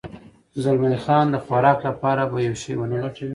زلمی خان د خوراک لپاره به یو شی و نه لټوې؟